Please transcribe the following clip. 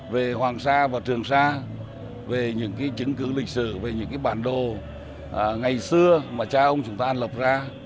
về hoàng sa và trường sa về những chứng cứ lịch sử về những bản đồ ngày xưa mà cha ông chúng ta lập ra